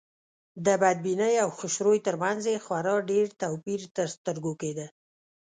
د بدبینۍ او خوشروی تر منځ یې خورا ډېر توپير تر سترګو کېده.